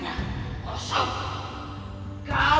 cantik kalau isi otaknya